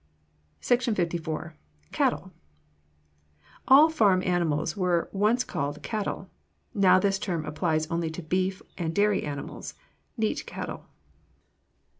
SECTION LIV. CATTLE All farm animals were once called cattle; now this term applies only to beef and dairy animals neat cattle.